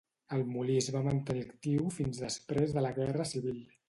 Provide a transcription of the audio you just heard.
El molí es va mantenir actiu fins després de la Guerra Civil.